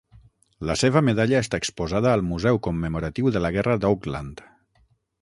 La seva medalla està exposada al museu commemoratiu de la guerra d'Auckland.